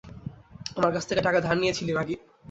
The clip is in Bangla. আমার কাছ থেকে টাকা ধার নিয়েছিলি, মাগী!